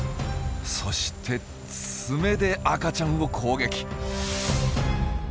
そして爪で赤ちゃんを攻撃！